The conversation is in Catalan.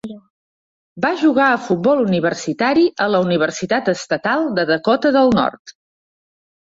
Va jugar a futbol universitari a la Universitat Estatal de Dakota del Nord.